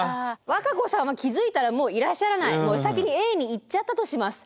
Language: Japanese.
和歌子さんは気付いたらもういらっしゃらない先にＡに行っちゃったとします。